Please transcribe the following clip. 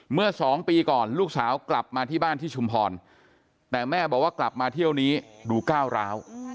เมื่อ๒ปีก่อนลูกสาวกลับมาที่บ้านที่ชุมพรแต่แม่บอกว่ากลับมาเที่ยวนี้ดูก้าวร้าว